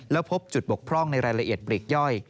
แล้วพบจุดบกพร่องในรายละเอียดปลีกย่อย